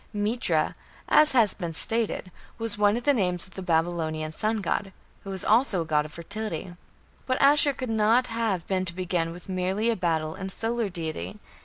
Mitra, as has been stated, was one of the names of the Babylonian sun god, who was also a god of fertility. But Ashur could not have been to begin with merely a battle and solar deity.